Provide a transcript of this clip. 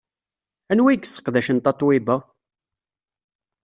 Anwa ay yesseqdacen Tatoeba?